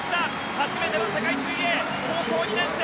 初めての世界水泳高校２年生